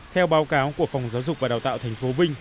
theo báo cáo của phòng giáo dục và đào tạo thành phố vinh